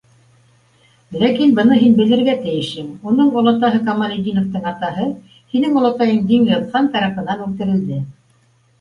Ләкин... быны һин белергә тейешһең: уның олатаһы, Камалетдиновтың атаһы, һинең олатайың Диңгеҙхан тарафынан үлтерелде.